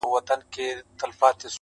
• ما ځکه ویلي دي چي منظور پښتین -